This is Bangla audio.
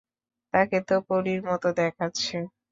তাকে তো পরীর মতো দেখাচ্ছে।